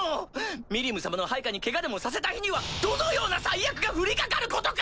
ミリム様の配下にケガでもさせた日にはどのような災厄が降りかかることか！